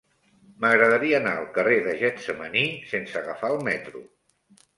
M'agradaria anar al carrer de Getsemaní sense agafar el metro.